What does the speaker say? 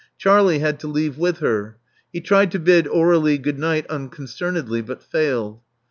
Charlie had to leave with her. He tried to bid Aur61ie good night uncon cernedly, but failed.